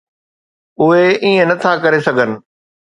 اهي ائين نٿا ڪري سگهن.